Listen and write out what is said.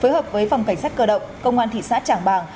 phối hợp với phòng cảnh sát cơ động công an thị xã trảng bàng